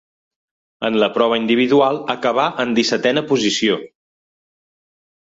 En la prova individual acabà en dissetena posició.